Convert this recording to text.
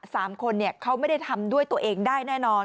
สามคนเนี่ยเขาไม่ได้ทำด้วยตัวเองได้แน่นอน